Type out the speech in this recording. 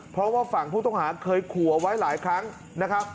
เพราะว่าฝั่งผู้ต้องหาเคยขู่เอาไว้หลายครั้งนะครับ